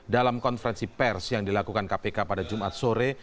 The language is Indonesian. dalam konferensi pers yang dilakukan kpk pada jumat sore